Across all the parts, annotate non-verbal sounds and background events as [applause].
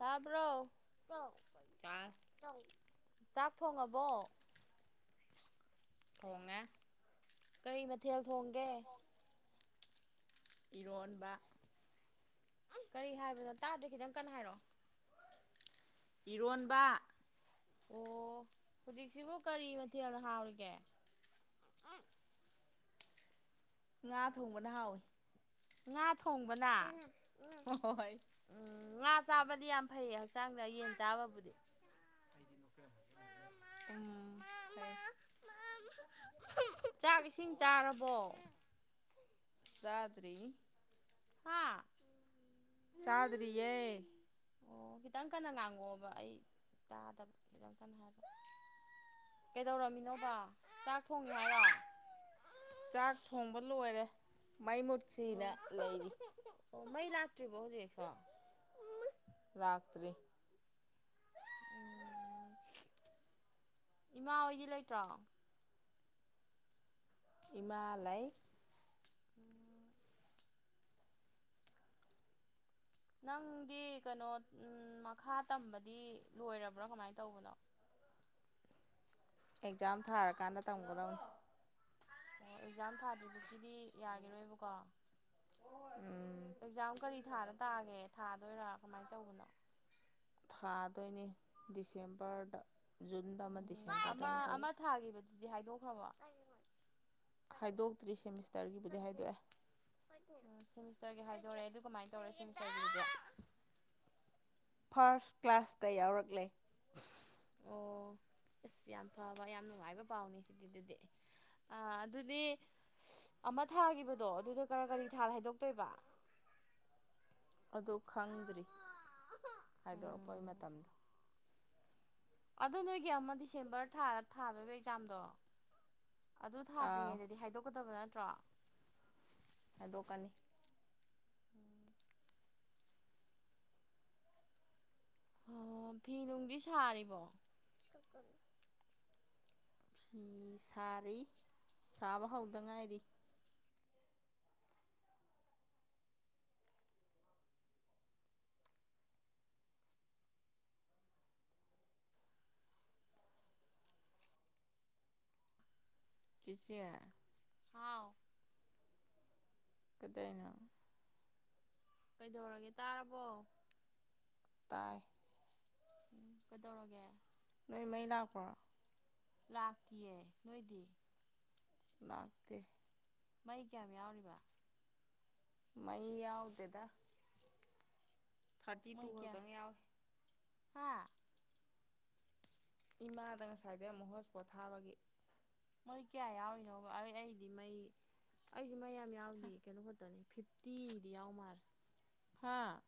ꯍꯥꯥꯕ꯭ꯔꯣ ꯆꯥ ꯆꯥ ꯐꯣꯡꯉꯕꯣ ꯐꯉ ꯀꯔꯤ ꯃꯊꯦꯜ ꯊꯣꯡꯒꯦ ꯏꯔꯣꯟꯕ [unintelligible] ꯀꯔꯤ ꯍꯥꯏꯕꯅꯣ ꯇꯥꯗ꯭ꯔꯦ ꯈꯤꯇꯪ ꯀꯟꯅ ꯍꯥꯏꯔꯛꯑꯣ ꯏꯔꯣꯟꯕ ꯑꯣ ꯍꯧꯖꯤꯛꯁꯤꯕꯨ ꯀꯔꯤ ꯃꯊꯦꯜꯅ ꯍꯥꯎꯔꯤꯒꯦ ꯑ ꯉꯥ ꯊꯣꯡꯕꯅ ꯍꯥꯎꯋꯤ ꯉꯥ ꯊꯣꯡꯕꯅ ꯍꯣꯏ ꯎꯝ ꯉꯥ ꯆꯥꯕꯗꯤ ꯌꯥꯝ ꯐꯩꯌꯦ ꯍꯛꯆꯥꯡꯗ ꯌꯦꯟ ꯆꯥꯕꯕꯨꯗꯤ [unintelligible] ꯎꯝ ꯐꯩ ꯆꯥꯛ ꯏꯁꯤꯡ ꯆꯥꯔꯕꯣ ꯆꯥꯗ꯭ꯔꯤ ꯍꯥ ꯆꯥꯗꯔꯤꯌꯦ ꯑꯣ ꯈꯤꯇꯪ ꯀꯟꯅ ꯉꯥꯡꯉꯣꯕ ꯑꯩ ꯇꯥꯗꯕ ꯈꯤꯇꯪ ꯀꯟꯅ ꯍꯥꯏꯕ ꯀꯩꯗꯧꯔꯝꯃꯤꯅꯣꯕ ꯆꯥꯛ ꯊꯣꯡꯒꯦ ꯍꯥꯏꯔꯣ ꯆꯥꯛ ꯊꯣꯡꯕ ꯂꯣꯏꯔꯦ ꯃꯩ ꯃꯨꯠꯈ꯭ꯔꯤꯅ ꯂꯩꯔꯤ ꯑꯣ ꯃꯩ ꯂꯥꯛꯇ꯭ꯔꯤꯕꯣ ꯍꯧꯖꯤꯛꯁꯨ ꯂꯥꯛꯇ꯭ꯔꯤ ꯎꯝ ꯏꯃꯥ ꯍꯣꯏꯗꯤ ꯂꯩꯇ꯭ꯔꯣ ꯏꯃꯥ ꯂꯩ ꯅꯪꯗꯤ ꯀꯩꯅꯣ ꯃꯈꯥ ꯇꯝꯕꯗꯤ ꯂꯣꯏꯔꯕ꯭ꯔꯥ ꯀꯃꯥꯏꯅ ꯇꯧꯕꯅꯣ ꯑꯦꯛꯖꯥꯝ ꯊꯥꯔꯀꯥꯟꯗ ꯇꯝꯒꯗꯕꯅꯤ ꯑꯣ ꯑꯦꯛꯖꯥꯝ ꯊꯥꯗ꯭ꯔꯤꯕꯥꯎꯒꯤꯗꯤ ꯌꯥꯈꯤꯔꯣꯏꯕꯀꯣ ꯑꯦꯛꯖꯥꯝ ꯀꯔꯤ ꯊꯥꯗ ꯇꯥꯒꯦ ꯊꯥꯗꯣꯏꯅꯤ ꯗꯤꯁꯦꯝꯕꯔꯗ ꯖꯨꯟꯗ ꯑꯃ ꯗꯤꯁꯦꯝꯕꯔꯗ ꯑꯃ ꯇꯧꯕ ꯊꯥꯈꯤꯕꯗꯨꯗꯤ ꯍꯥꯏꯗꯣꯛꯈ꯭ꯔꯕꯣ ꯍꯥꯏꯗꯣꯛꯇ꯭ꯔꯤ ꯁꯦꯃꯤꯁꯇꯔꯒꯤꯕꯨꯗꯤ ꯍꯥꯏꯗꯣꯛꯑꯦ ꯁꯦꯃꯤꯁꯇꯔꯒꯤ ꯍꯥꯏꯗꯣꯛꯔꯦ ꯑꯗꯨ ꯀꯃꯥꯏꯅ ꯇꯧꯔꯦ ꯁꯦꯃꯤꯁꯇꯔꯒꯤꯗꯤ ꯐꯥꯔꯁ ꯀ꯭ꯂꯥꯁꯇ ꯌꯥꯎꯔꯛꯂꯦ ꯑꯣ ꯑꯁ ꯌꯥꯝ ꯐꯕ ꯌꯥꯝ ꯅꯨꯡꯉꯥꯏꯕ ꯄꯥꯎꯅꯤ ꯁꯤꯗꯤ ꯑꯗꯨꯗꯤ ꯑ ꯑꯗꯨꯗꯤ ꯑꯃ ꯊꯥꯈꯤꯕꯗꯣ ꯑꯗꯨꯗ ꯀꯔ ꯀꯔꯤ ꯊꯥ ꯍꯥꯏꯗꯣꯛꯇꯣꯏꯕ ꯑꯗꯨ ꯈꯪꯗ꯭ꯔꯤ ꯍꯥꯏꯗꯣꯔꯛꯄꯒꯤ ꯎꯝ ꯃꯇꯝꯗꯣ ꯑꯗꯨ ꯅꯣꯏꯒꯤ ꯑꯃ ꯗꯤꯁꯦꯝꯕꯔ ꯊꯥꯗ ꯊꯥꯗꯣꯏꯕ ꯑꯦꯛꯖꯥꯝꯗꯣ ꯑꯗꯨ ꯑꯥ ꯊꯥꯗ꯭ꯔꯤꯉꯩꯗꯗꯤ ꯍꯥꯏꯗꯣꯛꯀꯗꯕ ꯅꯠꯇ꯭ꯔꯣ ꯍꯥꯏꯗꯣꯛꯀꯅꯤ [unintelligible] ꯑꯣ ꯐꯤ ꯅꯨꯡꯗꯤ ꯁꯥꯔꯤꯕꯣ ꯐꯤ ꯁꯥꯔꯤ ꯁꯥꯕ ꯍꯧꯗ ꯉꯥꯏꯔꯤ ꯆꯤꯆꯦ ꯍꯥꯎ ꯀꯩꯗꯧꯔꯤꯅꯣ ꯀꯩꯗꯧꯔꯒꯦ ꯇꯥꯔꯕꯣ ꯇꯥꯏ ꯎꯝ ꯀꯩꯗꯧꯔꯒꯦ ꯅꯣꯏ ꯃꯩ ꯂꯥꯛꯄ꯭ꯔꯣ ꯂꯥꯛꯇꯌꯦ ꯅꯣꯏꯗꯤ ꯅꯥꯥꯛꯇ ꯃꯩ ꯀꯌꯥꯝ ꯌꯥꯎꯔꯤꯕ ꯃꯩ ꯌꯥꯎꯗꯦꯗ ꯊꯥꯔꯇꯤ ꯇꯨ ꯈꯛꯇꯪ ꯌꯥꯎꯏꯤ ꯍꯥꯥ ꯏꯃꯥꯗ ꯉꯁꯥꯏꯗꯩ ꯑꯃꯨꯛ ꯍꯣꯁ ꯄꯣꯊꯥꯕꯒꯤ ꯃꯣꯏ ꯀꯌꯥ ꯌꯥꯎꯔꯤꯅꯣꯕ ꯑꯩ ꯑꯩꯗꯤ ꯃꯩ ꯑꯩꯗꯤ ꯃꯩ ꯌꯥꯝ ꯌꯥꯎꯗꯦ ꯀꯩꯅꯣ ꯅꯤ ꯐꯤꯐꯇꯤꯗꯤ ꯌꯥꯎ ꯃꯥꯜꯂꯦ ꯍꯥꯥ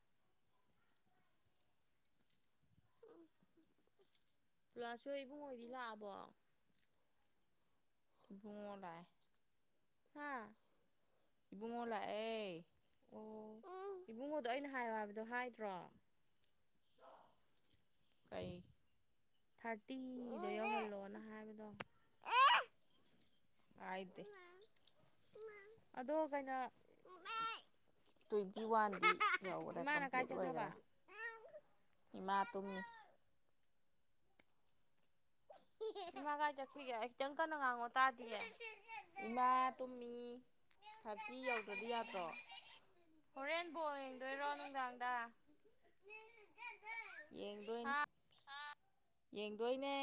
ꯄꯨꯂꯥꯁꯁꯨ ꯏꯕꯨꯡꯉꯣ ꯍꯣꯏꯗꯤ ꯂꯥꯛꯑꯕꯣ ꯏꯕꯨꯉꯣ ꯂꯥꯛꯑ ꯍꯥꯥ ꯏꯕꯨꯡꯉꯣ ꯂꯥꯛꯑꯦ ꯑꯣ ꯏꯕꯨꯡꯉꯣꯗꯣ ꯑꯩꯅ ꯍꯥꯏꯌꯣ ꯍꯥꯏꯕꯗꯣ ꯍꯥꯏꯗ꯭ꯔꯣ ꯀꯩ ꯊꯥꯔꯇꯤꯗ ꯌꯧꯍꯜꯂꯣꯅ ꯍꯥꯏꯕꯗꯣ ꯍꯥꯏꯥꯏꯗ ꯑꯗꯣ ꯀꯩꯅꯣ ꯇ꯭ꯋꯦꯟꯇꯤ ꯋꯥꯟꯗꯤ ꯌꯧꯈ꯭ꯔꯥ ꯏꯃꯥꯅ ꯀꯥꯏ ꯀꯝꯄ꯭ꯂꯤꯠ ꯆꯠꯈ꯭ꯔꯕ ꯑꯣꯏꯈꯔꯦ ꯏꯃꯥ ꯇꯨꯝꯃꯤ ꯃꯒꯥꯏ ꯆꯠꯈꯤꯒꯦ ꯈꯤꯛꯇꯪ ꯀꯟꯅ ꯉꯥꯡꯉꯣ ꯇꯥꯗꯤꯌꯦ ꯏꯃꯥ ꯇꯨꯝꯃꯤ ꯊꯥꯔꯇꯤ ꯌꯧꯗ꯭ꯔꯗꯤ ꯌꯥꯗ꯭ꯔꯣ ꯑꯣ ꯔꯦꯟꯕꯣꯜ ꯌꯦꯡꯗꯣꯏꯔꯣ ꯅꯨꯡꯗꯥꯡꯗ ꯌꯦꯡꯗꯣꯏꯅꯦ ꯍꯥ ꯌꯦꯡꯗꯣꯏꯅꯦ